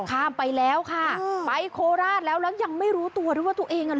ข้ามไปแล้วค่ะไปโคราชแล้วแล้วยังไม่รู้ตัวด้วยว่าตัวเองอ่ะ